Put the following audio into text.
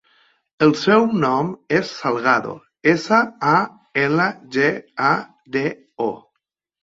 El seu cognom és Salgado: essa, a, ela, ge, a, de, o.